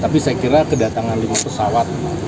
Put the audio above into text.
tapi saya kira kedatangan lima pesawat